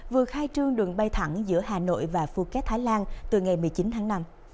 vừa khai trương đường bay thẳng giữa hà nội và phuket thái lan từ ngày một mươi chín tháng năm